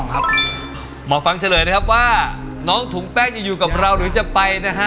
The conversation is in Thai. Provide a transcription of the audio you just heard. หมอฟังเฉลยว่าตุ๋งแป้งจะอยู่รับเราหรือจะไป